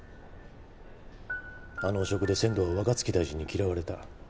あの汚職で千堂は若槻大臣に嫌われた。